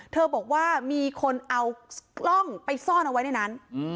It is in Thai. บอกว่ามีคนเอากล้องไปซ่อนเอาไว้ในนั้น